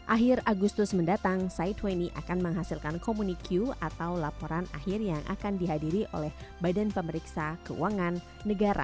akhir agustus mendatang sai dua puluh akan menghasilkan komunikyu atau laporan akhir yang akan dihadiri oleh badan pemerintah indonesia